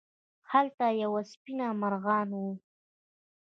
هلته یوه سپېنه مرغانه وه.